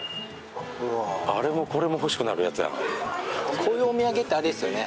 こういうお土産ってあれですよね